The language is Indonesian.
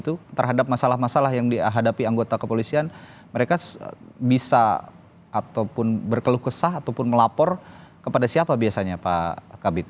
itu terhadap masalah masalah yang dihadapi anggota kepolisian mereka bisa ataupun berkeluh kesah ataupun melapor kepada siapa biasanya pak kabit